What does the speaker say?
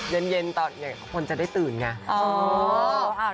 ไม่เย็นเดี๋ยวคนจะได้ตื่นไง